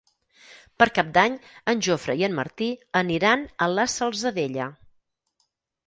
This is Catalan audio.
Per Cap d'Any en Jofre i en Martí aniran a la Salzadella.